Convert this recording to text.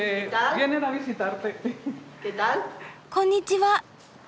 こんにちは。